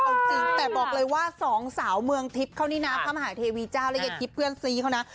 เอาจริงแต่บอกเลยว่า๒สาวเมืองทริปเข้านี่น้ำข้ามหาเทวีเจ้าและเทวีเจ้าเพื่อนซีเขานะ